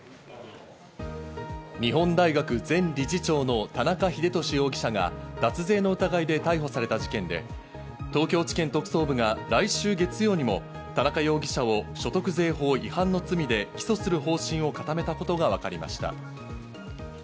日本大学前理事長の田中英壽容疑者が脱税の疑いで逮捕された事件で、東京地検特捜部が来週月曜にも田中容疑者を所得税法違反の罪で起訴する方針を固めたことがわかりました。